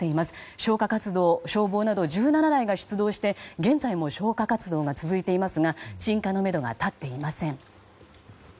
消火活動、消防など１７台が出動して現在も消火活動が続いていますが鎮火のめどが立っていません。